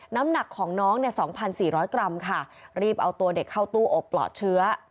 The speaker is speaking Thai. น้ำหนักของน้องเนี่ย๒๔๐๐กรัมค่ะรีบเอาตัวเด็กเข้าตู้อบปลอดเชื้อ